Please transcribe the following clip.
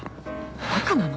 バカなの？